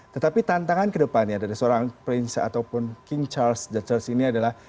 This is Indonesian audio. tetapi tantangan ke depannya dari seorang prince ataupun king charles ini adalah